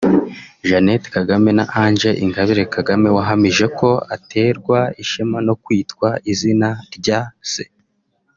Jeannette Kagame na Ange Ingabire Kagame wahamije ko aterwa ishema no kwitwa izina rya Se